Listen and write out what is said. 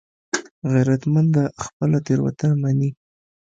غیرتمند خپله تېروتنه مني